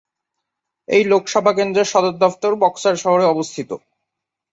এই লোকসভা কেন্দ্রের সদর দফতর বক্সার শহরে অবস্থিত।